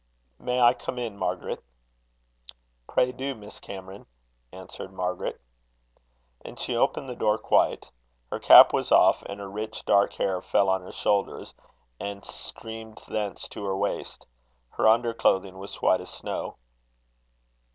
"May I come in, Margaret?" "Pray, do, Miss Cameron," answered Margaret. And she opened the door quite. Her cap was off, and her rich dark hair fell on her shoulders, and streamed thence to her waist. Her under clothing was white as snow.